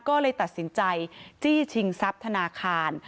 ก็เลยตัดสินใจจี้ชิงทรัพย์ธนาคาร